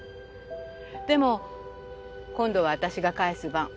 でも今度は私が返す番。